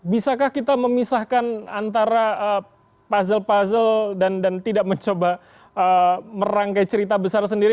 bisakah kita memisahkan antara puzzle puzzle dan tidak mencoba merangkai cerita besar sendiri